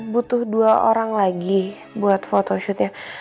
butuh dua orang lagi buat photoshootnya